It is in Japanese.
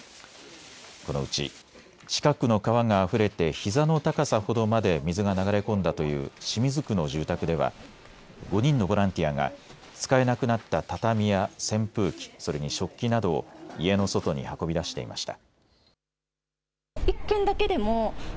このうち近くの川があふれてひざの高さほどまで水が流れ込んだという清水区の住宅では５人のボランティアが使えなくなった畳や扇風機、それに食器などを家の外に運び出していました。